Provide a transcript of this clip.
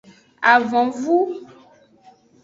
Avonvu.